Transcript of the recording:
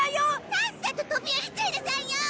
さっさと飛び降りちゃいなさいよ！